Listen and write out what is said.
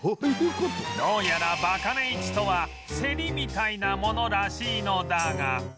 どうやらバカネ市とは競りみたいなものらしいのだが